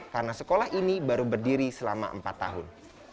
karena sekolah ini baru berdiri selama empat tahun